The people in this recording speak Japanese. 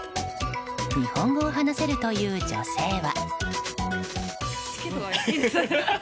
日本語を話せるという女性は。